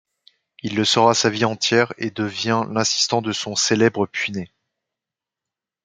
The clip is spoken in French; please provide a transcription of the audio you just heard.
Il le sera sa vie entière et devient l'assistant de son célèbre puîné.